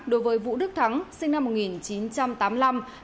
đối với vũ đức thắng sinh năm một nghìn chín trăm linh